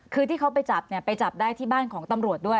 คือที่เขาไปจับเนี่ยไปจับได้ที่บ้านของตำรวจด้วย